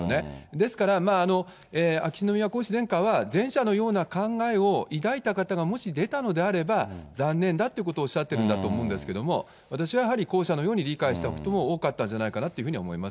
ですから、秋篠宮皇嗣殿下は、前者のような考えを抱いた方がもし出たのであれば、残念だってことをおっしゃっているんだと思うんですけれども、私はやはり、後者のように理解した人も多かったんじゃないかなって思います。